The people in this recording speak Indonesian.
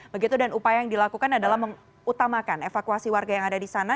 begitu dan upaya yang dilakukan adalah mengutamakan evakuasi warga yang ada di sana